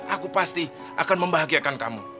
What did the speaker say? aku pasti akan membahagiakan kamu